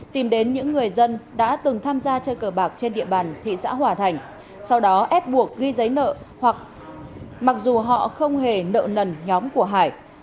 tìm đến những người dân đã từng tham gia chơi cờ bạc trên địa bàn thị xã hòa thành sau đó ép buộc ghi giấy nợ hoặc mặc dù họ không hề nợ nần nhóm của hải